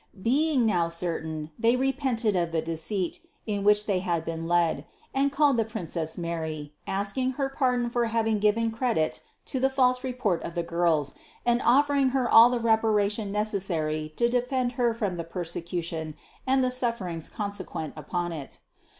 Being 547 548 CITY OF GOD now certain, they repented of the deceit, into which they had been led, and called the Princess Mary, asking her pardon for having given credit to the false report of the girls and offering Her all the reparation necessary to de fend Her from the persecution and the sufferings con sequent upon it.